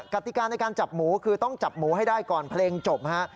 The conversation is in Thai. กติกาในการจับหมูคือต้องจับหมูให้ได้ก่อนเพลงจบฮะ